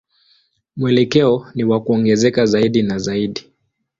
Mwelekeo ni wa kuongezeka zaidi na zaidi.